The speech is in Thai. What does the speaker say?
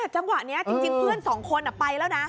จังหวะนี้จริงเพื่อนสองคนไปแล้วนะ